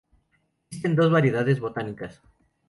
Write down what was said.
Existen dos variedades botánicas.